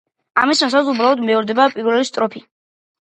ამის სანაცვლოდ უბრალოდ მეორდება პირველი სტროფი.